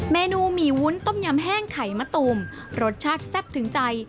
เมนูหมี่วุ้นต้มยำแห้งไข่มะตูมรสชาติแซ่บถึงใจ